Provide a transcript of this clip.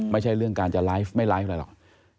ไม่ใช่เรื่องการจะไลฟ์ไม่ไลฟ์อะไรหรอก